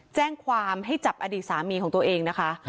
แจ้งความให้จับอดีตสามีของตัวเองนะคะ